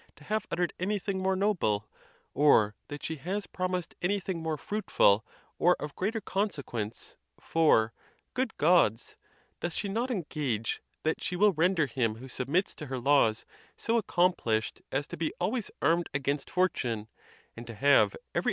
to. have uttered: any thing more noble, or that she has promised anything more fruitful or of greater consequénce, for, good Gods! doth she not engage that she will render him who submits to her laws so accomplished as to be always armed against fortune, and to have. eyery.